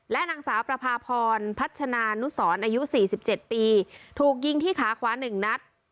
และนางสาวประพาพรพัชนานุศรอายุสี่สิบเจ็ดปีถูกยิงที่ขาขวาหนึ่งนัด